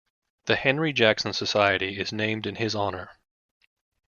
The Henry Jackson Society is named in his honor.